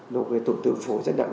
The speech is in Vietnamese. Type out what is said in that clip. nó tổng tượng phố rất đặng